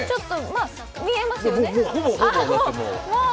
見えますよね。